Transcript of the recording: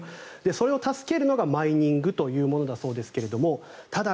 それを助けるのがマイニングというものですがただ、